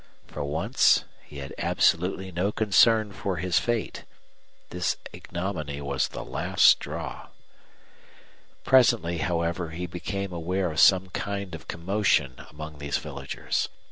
For once he had absolutely no concern for his fate. This ignominy was the last straw. Presently, however, he became aware of some kind of commotion among these villagers.